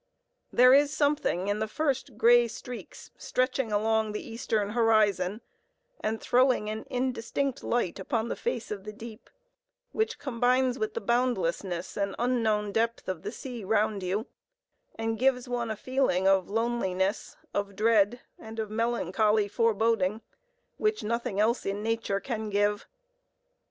There is something in the first gray streaks stretching along the eastern horizon and throwing an indistinct light upon the face of the deep, which combines with the boundlessness and unknown depth of the sea round you, and gives one a feeling of loneliness, of dread, and of melancholy foreboding, which nothing else in nature can give.